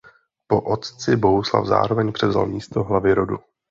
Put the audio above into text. Po otci Bohuslav zároveň převzal místo hlavy rodu.